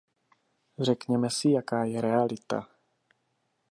Řekněme si, jaká je realita.